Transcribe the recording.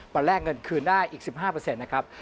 วันแรกเงินคืนได้อีก๑๕นะครับ